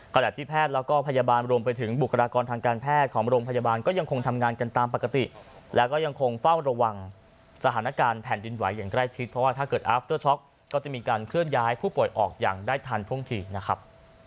ขณะที่แพทย์แล้วก็พยาบาลรวมไปถึงบุคลากรทางการแพทย์ของโรงพยาบาลก็ยังคงทำงานกันตามปกติแล้วก็ยังคงเฝ้าระวังสถานการณ์แผ่นดินไหวอย่างใกล้ชิดเพราะว่าถ้าเกิดอาฟเตอร์ช็อกก็จะมีการเคลื่อนย้ายผู้ป่วยออกอย่างได้ทันท่วงทีนะครับ